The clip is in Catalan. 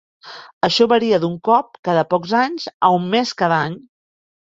Això varia d'un cop cada pocs anys a un mes cada any.